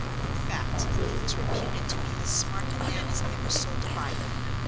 In fact, he was reputed to be as smart a man as ever sold a Bible.